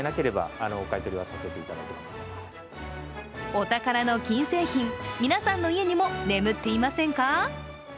お宝の金製品、皆さんの家にも眠っていませんか？